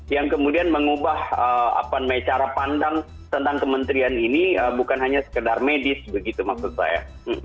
yang kemudian mengubah cara pandang tentang kementerian ini bukan hanya sekedar medis begitu maksud saya